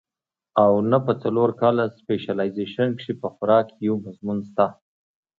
او نۀ پۀ څلور کاله سپېشلائزېشن کښې پۀ خوراک يو مضمون شته